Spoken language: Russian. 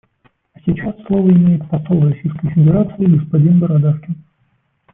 А сейчас слово имеет посол Российской Федерации господин Бородавкин.